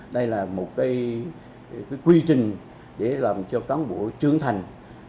đây là một quy trình để làm cho cán bộ trưởng thành